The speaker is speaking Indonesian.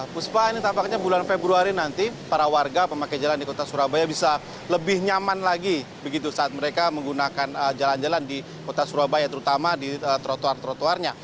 puspa ini tampaknya bulan februari nanti para warga pemakai jalan di kota surabaya bisa lebih nyaman lagi begitu saat mereka menggunakan jalan jalan di kota surabaya terutama di trotoar trotoarnya